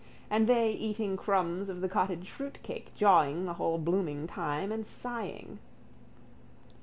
And they eating crumbs of the cottage fruitcake, jawing the whole blooming time and sighing.